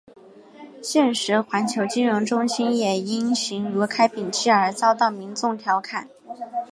现时环球金融中心也因形如开瓶器而遭到民众调侃。